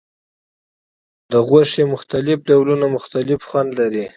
د غوښې مختلف ډولونه مختلف خوند لري.